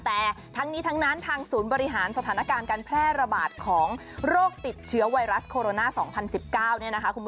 แต่ทั้งนี้ทั้งนั้นทางศูนย์บริหารสถานการณ์การแพร่ระบาดของโรคติดเชื้อไวรัสโคโรนา๒๐๑๙เนี่ยนะคะ